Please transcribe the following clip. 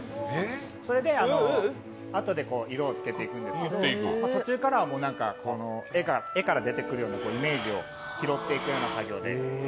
それであとで色をつけていくんですけど途中からはなんか絵から出てくるようなイメージを拾っていく作業で。